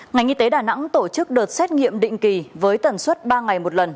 ngành y tế đà nẵng tổ chức đợt xét nghiệm định kỳ với tần suất ba ngày một lần